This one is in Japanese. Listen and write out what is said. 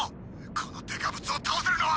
このデカブツを倒せるのは。